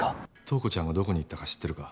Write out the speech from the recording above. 東子ちゃんがどこに行ったか知ってるか？